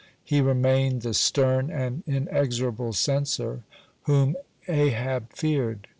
He remained the stern and inexorable censor whom Ahab feared.